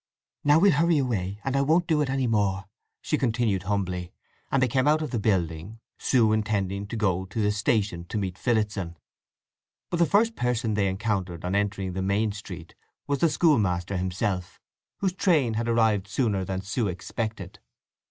"Now we'll hurry away, and I won't do it any more!" she continued humbly; and they came out of the building, Sue intending to go on to the station to meet Phillotson. But the first person they encountered on entering the main street was the schoolmaster himself, whose train had arrived sooner than Sue expected.